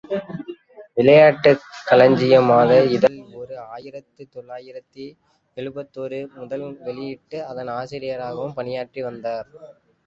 விளையாட்டுக் களஞ்சியம் மாத இதழ் ஓர் ஆயிரத்து தொள்ளாயிரத்து எழுபத்தேழு முதல் வெளியிட்டு, அதன் ஆசிரியராகவும் பணியாற்றி வந்தார்.